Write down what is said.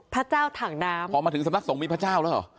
พระเจ้าถังน้ำพอมาถึงสำนักสงฆ์มีพระเจ้าแล้วเหรอ